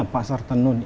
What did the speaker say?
pasar tenun ini